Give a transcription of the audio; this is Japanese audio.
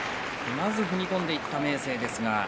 まず踏み込んでいった明生でした。